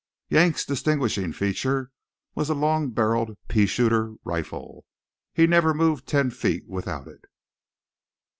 Yank's distinguishing feature was a long barrelled "pea shooter" rifle. He never moved ten feet without it.